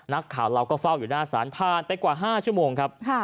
นักข่าวเราก็เฝ้าอยู่หน้าศาลผ่านไปกว่า๕ชั่วโมงครับ